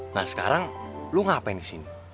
nah sekarang lu ngapain di sini